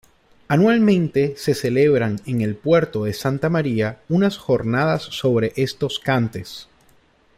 Anualmente se celebran en El Puerto de Santa María unas jornadas sobre estos cantes.